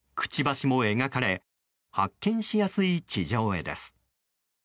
くちばしも描かれ発見されやすい地上絵です。